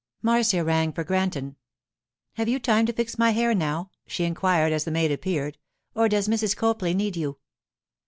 Marcia rang for Granton. 'Have you time to fix my hair now?' she inquired as the maid appeared, 'or does Mrs. Copley need you?